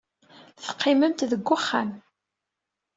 Teqqimemt deg wexxam.